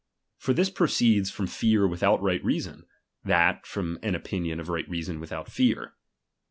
For this proceeds from fear without right reason ; that, from an opinion of right reason without fear.